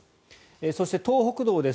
そして、東北道です。